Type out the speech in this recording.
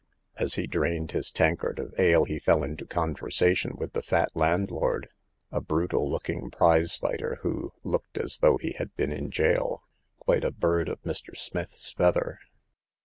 As he drained his tankard of ale, he fell into conversation with the fat landlord — a brutal looking prize fighter, who looked as though he had been in jail — quite a bird of Mr. Smith's feather.